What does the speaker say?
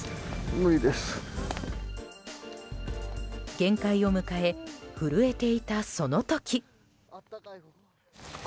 限界を迎え震えていたその時。